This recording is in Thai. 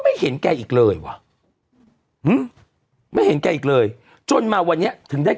เห็นแกอีกเลยว่ะไม่เห็นแกอีกเลยจนมาวันนี้ถึงได้